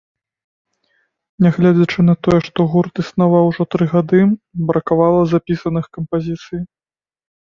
Нягледзячы на тое, што гурт існаваў ужо тры гады, бракавала запісаных кампазіцый.